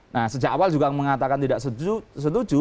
nah sejak awal juga mengatakan tidak setuju